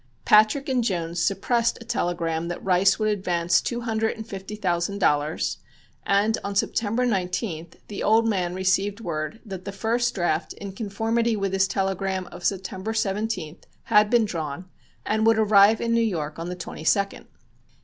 Patrick and Jones suppressed a telegram that Rice would advance two hundred and fifty thousand dollars, and on September 19th the old man received word that the first draft in conformity with his telegram of September 17th had been drawn and would arrive in New York on the 22d.